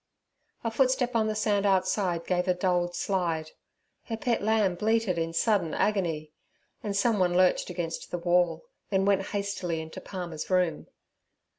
A footstep on the sand outside gave a dulled slide: her pet lamb bleated in sudden agony: and someone lurched against the wall, then went hastily into Palmer's room.